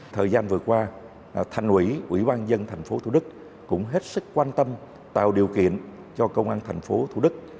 thời gian vừa qua thành ủy ubnd tp thủ đức cũng hết sức quan tâm tạo điều kiện cho công an tp thủ đức